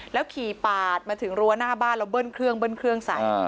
แล้วขี่ปลาดมาถึงรัวหน้าบ้านแล้วเบิ้นเครื่องแสง